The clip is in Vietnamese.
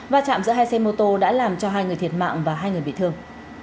và chạm giữa hai xe mô tô đã làm cho hai người thiệt mạng và hai người bị thương